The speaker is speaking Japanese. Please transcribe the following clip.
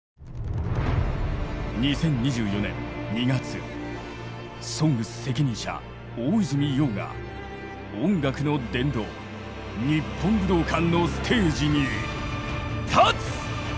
２０２４年２月「ＳＯＮＧＳ」責任者大泉洋が音楽の殿堂日本武道館のステージに立つ！